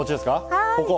ここ？